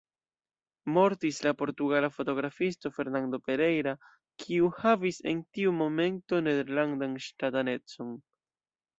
Mortis la portugala fotografisto Fernando Pereira, kiu havis en tiu momento nederlandan ŝtatanecon.